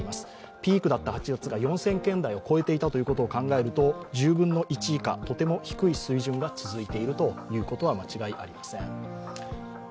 ピークだった８月が４０００件台を超えていたことを考えると１０分の１以下、とても低い水準が続いていることは間違いありません。